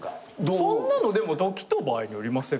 そんなのでも時と場合によりませんか？